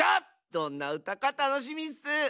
どんなうたかたのしみッス！